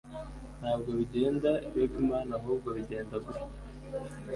Ntabwo bigenda Yogi-man, ahubwo bigenda gutya,